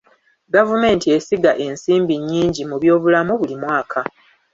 Gavumenti esiga ensimbi nnyingi mu by'obulamu buli mwaka.